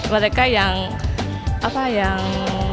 mereka yang apa yang